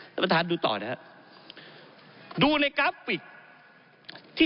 สำหรับท่านดูต่อนะครับดูในกราฟิกที่๗